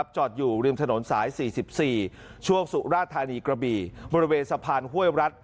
จอดอยู่ริมถนนสาย๔๔ช่วงสุราธานีกระบี่บริเวณสะพานห้วยรัฐ